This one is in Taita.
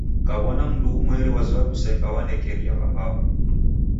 Kaw'ona mndu umweri wazoya kuseka wanekeria w'ambao.